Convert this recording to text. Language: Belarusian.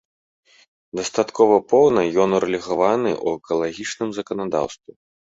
Дастаткова поўна ён урэгуляваны ў экалагічным заканадаўстве.